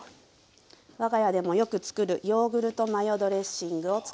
我が家でもよく作るヨーグルトマヨドレッシングを作っていきます。